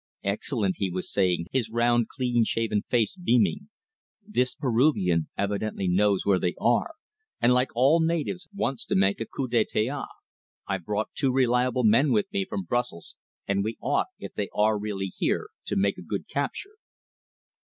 "Excellent," he was saying, his round, clean shaven face beaming. "This Peruvian evidently knows where they are, and like all natives, wants to make a coup de theatre. I've brought two reliable men with me from Brussels, and we ought if they are really here to make a good capture."